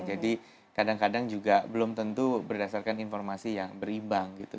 jadi kadang kadang juga belum tentu berdasarkan informasi yang beribang gitu